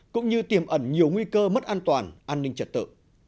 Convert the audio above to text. cũng như tiềm ẩn nhiều nguy cơ mất an toàn an ninh trật tự